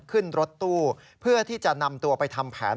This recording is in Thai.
ขึ้นรถตู้เพื่อที่จะนำตัวไปทำแผน